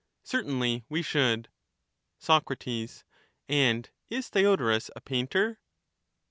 Certainly we should. Soc, And is Theodorus a painter